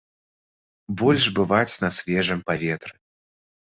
Больш бываць на свежым паветры.